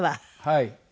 はい。